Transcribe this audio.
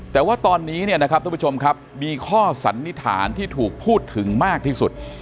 แต่ว่าตอนนี้เนี่ยนะครับทุกผู้ชมครับมีข้อสันนิษฐานที่ถูกพูดถึงมากที่สุด